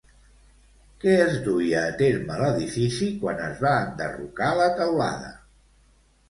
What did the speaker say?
Què es duia a terme a l'edifici quan es va enderrocar la teulada?